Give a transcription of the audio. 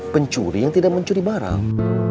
pencuri yang tidak mencuri barang